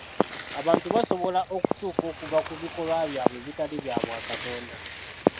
Abantu basobola okukyuka okuva ku bikolwa byabwe ebitali bya bwa katonda.